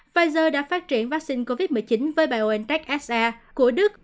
pfizer đã phát triển vaccine covid một mươi chín với biontech sa của đức